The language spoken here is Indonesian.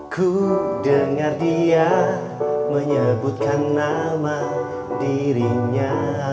ku dengar dia menyebutkan nama dirinya